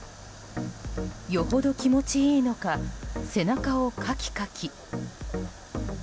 よほど気持ちいいのか背中をかきかき。